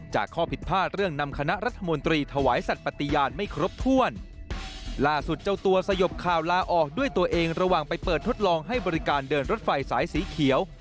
ข้อผิดพลาดเรื่องนำคณะรัฐมนตรีถวายสัตว์ปฏิญาณไม่ครบถ้วนล่าสุดเจ้าตัวสยบข่าวลาออกด้วยตัวเองระหว่างไปเปิดทดลองให้บริการเดินรถไฟสายสีเขียว